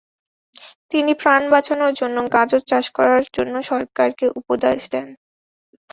তিনি প্রাণ বাঁচানোর জন্য গাজর চাষ করার জন্য সরকারকে উপদেশ দেন।